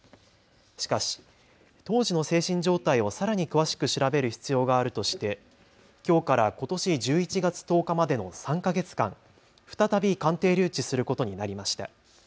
しかし当時の精神状態をさらに詳しく調べる必要があるとしてきょうから、ことし１１月１０日までの３か月間再び鑑定留置することになりました。